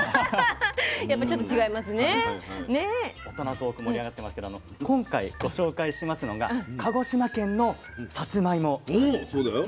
トーク盛り上がってますけど今回ご紹介しますのが鹿児島県のさつまいもなんですね。